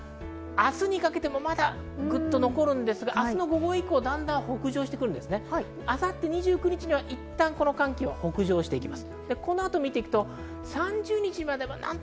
明日にかけてもまだぐっと残るんですが、明日の午後以降だんだん北上し、明後日２９日にはいったん、この寒気、北上します。